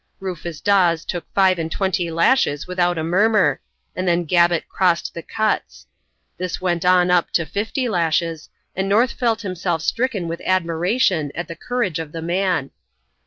Rufus Dawes took five and twenty lashes without a murmur, and then Gabbett "crossed the cuts". This went on up to fifty lashes, and North felt himself stricken with admiration at the courage of the man.